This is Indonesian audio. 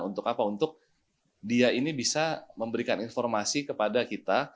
untuk apa untuk dia ini bisa memberikan informasi kepada kita